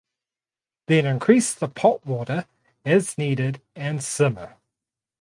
Then increase the pot water as needed and simmer.